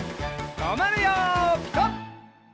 とまるよピタ！